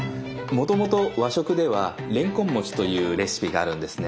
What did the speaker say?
もともと和食ではれんこん餅というレシピがあるんですね。